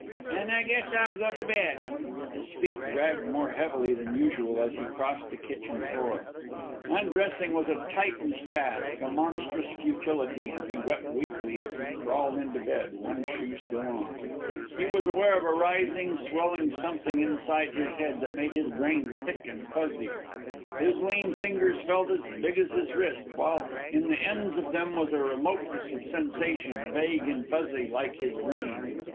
"An' I guess I'll go to bed." His feet dragged more heavily than usual as he crossed the kitchen floor. Undressing was a Titan's task, a monstrous futility, and he wept weakly as he crawled into bed, one shoe still on. He was aware of a rising, swelling something inside his head that made his brain thick and fuzzy. His lean fingers felt as big as his wrist, while in the ends of them was a remoteness of sensation vague and fuzzy like his brain.